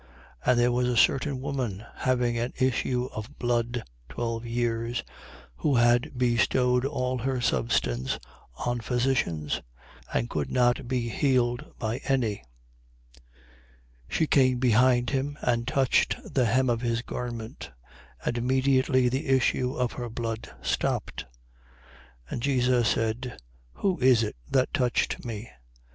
8:43. And there was a certain woman having an issue of blood twelve years, who had bestowed all her substance on physicians and could not be healed by any. 8:44. She came behind him and touched the hem of his garment: and immediately the issue of her blood stopped. 8:45. And Jesus said: Who is it that touched me?